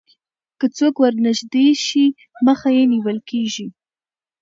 که څوک ورنژدې شي مخه یې نیول کېږي